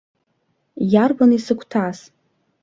Иарбан исыгәҭас?